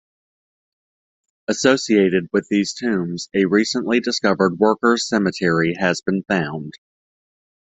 Associated with these tombs a recently discovered workers cemetery has been found.